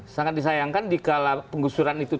sangat disayangkan dikala penggusuran itu